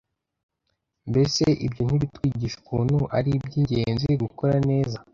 Mbese ibyo ntibitwigisha ukuntu ari iby’ingenzi gukora neza